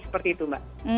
seperti itu mbak